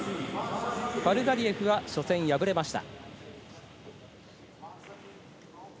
ファルザリエフは初戦敗れました。